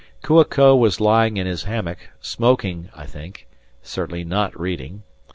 Kua ko was lying in his hammock, smoking, I think certainly not reading.